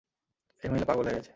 এই মহিলা পাগল হয়ে গেছে!